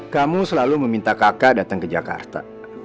kamu selalu meminta kakak datang ke jakarta